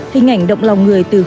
hình ảnh động lòng người đàn ông